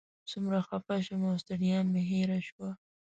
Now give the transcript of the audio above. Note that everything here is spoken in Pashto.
څومره خفه شوم او ستړیا مې هېره شوه.